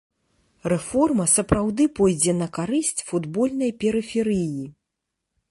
Рэформа сапраўды пойдзе на карысць футбольнай перыферыі.